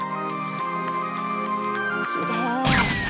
きれい。